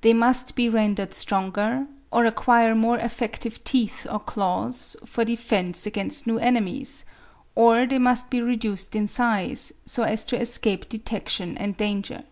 They must be rendered stronger, or acquire more effective teeth or claws, for defence against new enemies; or they must be reduced in size, so as to escape detection and danger.